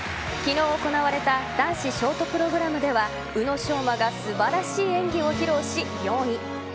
昨日行われた男子ショートプログラムでは宇野昌磨が素晴らしい演技を披露し４位。